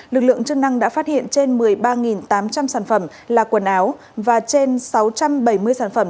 lực lượng chức năng đã phát hiện trên một mươi ba tám trăm linh sản phẩm